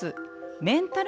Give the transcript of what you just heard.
メンタル